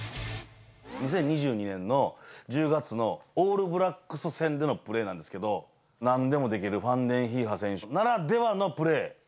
２０２２年の１０月のオールブラックス戦でのプレーなんですけど、なんでもできるファンデンヒーファー選手ならではのプレー。